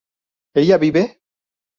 ¿ella vive?